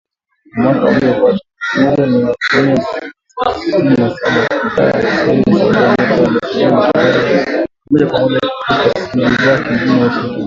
Na mwaka uliofuata, elfu moja mia tisa sitini na saba, Idhaa ya Kiswahili ya Sauti ya Amerika ilizindua matangazo ya moja kwa moja kutoka studio zake mjini Washington